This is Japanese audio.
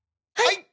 はい！